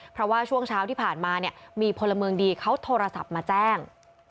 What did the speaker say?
เพราะว่าช่วงเช้าที่ผ่านมาเนี่ยมีพลเมืองดีเขาโทรศัพท์มาแจ้ง